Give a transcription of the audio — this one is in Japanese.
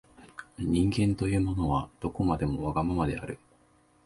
人間というものは、どこまでもわがままである。